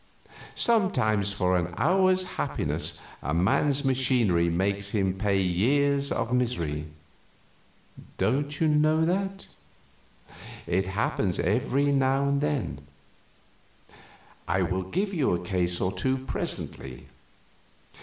Sometimes for an hour's happiness a man's machinery makes him pay years of misery. Don't you know that? It happens every now and then. I will give you a case or two presently.